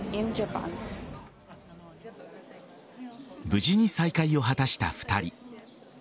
無事に再会を果たした２人。